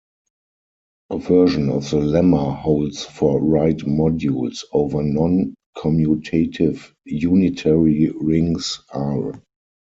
A version of the lemma holds for right modules over non-commutative unitary rings "R".